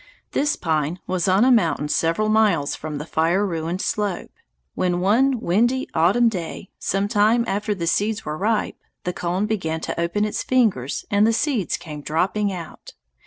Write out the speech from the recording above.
This pine was on a mountain several miles from the fire ruined slope, when one windy autumn day some time after the seeds were ripe, the cone began to open its fingers and the seeds came dropping out.